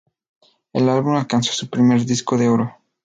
El álbum alcanzó su primer disco de oro.